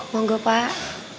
mau gak pak